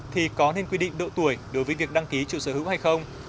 thì có nên quy định độ tuổi đối với việc đăng ký chủ sở hữu hay không